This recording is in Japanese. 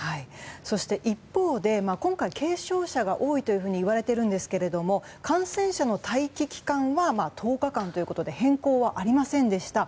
そして、一方で今回、軽症者が多いといわれているんですが感染者の待機期間は１０日間ということで変更はありませんでした。